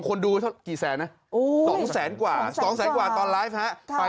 คนดูกี่แสนน่ะ๒แสนกว่าตอนไลฟ์ฮะ